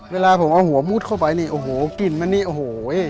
เวลาผมเอาหัวมุดเข้าไปนี่โอ้โหกลิ่นมันนี่โอ้โห